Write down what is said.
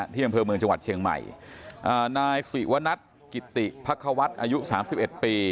ที่กำเภอเมืองจังหวัดเชียงใหม่นายศรีวณัฐกิติพระควัตรอายุ๓๑ปี